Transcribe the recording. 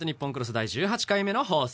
第１８回目の放送です。